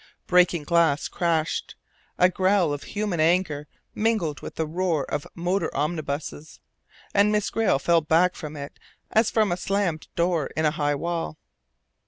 Breaking glass crashed. A growl of human anger mingled with the roar of motor omnibuses, and Miss Grayle fell back from it as from a slammed door in a high wall.